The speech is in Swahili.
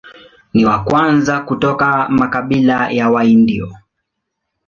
Ni wa kwanza kutoka makabila ya Waindio.